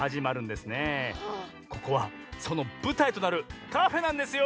ここはそのぶたいとなるカフェなんですよ！